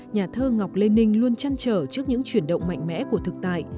nhà thơ ngọc lê ninh luôn chăn trở trước những chuyển động mạnh mẽ của thực tại